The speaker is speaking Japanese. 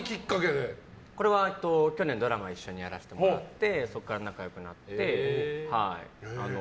去年、ドラマ一緒にやらせてもらってそこから仲良くなって。